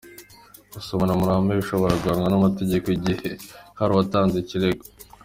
Gusomana mu ruhame bishobora guhanwa n’amategeko igihe hari uwatanze ikirego.